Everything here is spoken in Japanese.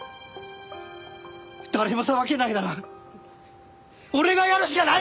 誰も裁けないなら俺がやるしかないだろ！